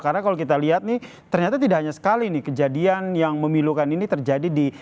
karena kalau kita lihat nih ternyata tidak hanya sekali nih kejadian yang memilukan ini terjadi di